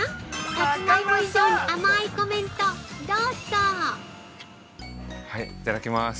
さつまいも以上に甘いコメントどうぞ◆はい、いただきます。